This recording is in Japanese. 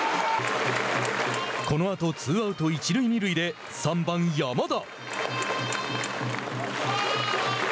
このあと、ツーアウト一塁二塁で三番山田。